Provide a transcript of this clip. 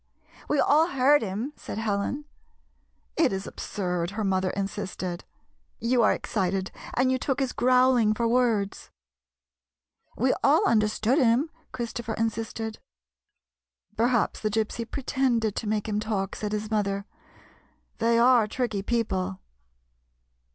"We all heard him," said Helen. " It is absurd," her mother insisted. " You 64 THE GYPSY'S FLIGHT are excited, and you took his growling for words." " We all understood him," Christopher insisted. " Perhaps the Gypsy pretended to make him talk," said his mother. "They are tricky people."